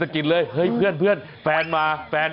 หมอกิตติวัตรว่ายังไงบ้างมาเป็นผู้ทานที่นี่แล้วอยากรู้สึกยังไงบ้าง